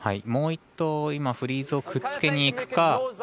もう１投フリーズをくっつけにいくか